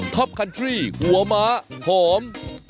ครอบคันตรีหัวม้าผม